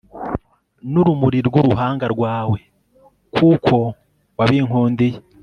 n'urumuri rw'uruhanga rwawe, kuko wabikundiye